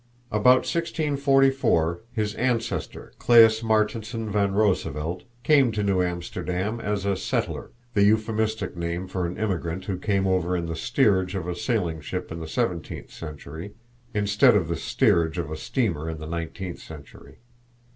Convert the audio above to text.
About 1644 his ancestor Klaes Martensen van Roosevelt came to New Amsterdam as a "settler" the euphemistic name for an immigrant who came over in the steerage of a sailing ship in the seventeenth century instead of the steerage of a steamer in the nineteenth century.